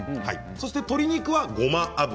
そして鶏肉は、ごま油。